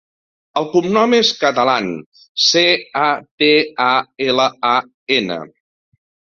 El cognom és Catalan: ce, a, te, a, ela, a, ena.